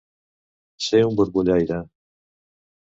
Ser un borbollaire.